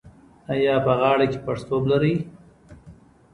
ایا په غاړه کې پړسوب لرئ؟